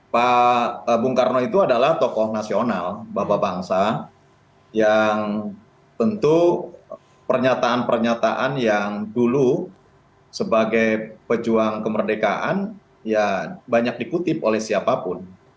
pak bung karno itu adalah tokoh nasional bapak bangsa yang tentu pernyataan pernyataan yang dulu sebagai pejuang kemerdekaan ya banyak dikutip oleh siapapun